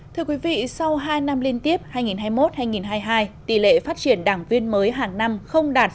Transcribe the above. thưa quý vị sau hai năm liên tiếp hai nghìn hai mươi một hai nghìn hai mươi hai tỷ lệ phát triển đảng viên mới hàng năm không đạt